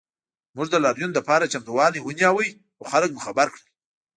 موږ د لاریون لپاره چمتووالی ونیو او خلک مو خبر کړل